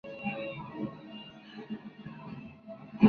Como escultor, hizo retratos de bronce de varios.